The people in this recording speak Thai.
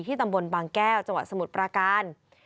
ตำบลบางแก้วจังหวัดสมุทรปราการ